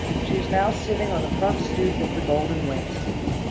She is now sitting on the front stoop of the golden whence.